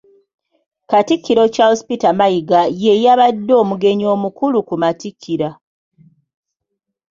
Katikkiro Charles Peter Mayiga y'eyabadde omugenyi omukulu ku matikkira.